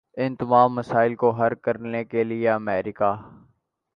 ان تمام مسائل کو حل کرنے کے لیے امریکہ